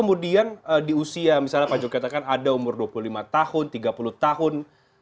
kemudian di usia misalnya pak jokowi katakan ada umur dua puluh lima tahun tiga puluh tahun